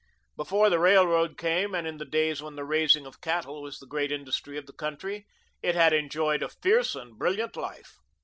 Before the railroad came, and in the days when the raising of cattle was the great industry of the country, it had enjoyed a fierce and brilliant life.